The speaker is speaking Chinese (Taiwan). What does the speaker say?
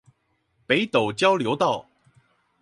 北斗交流道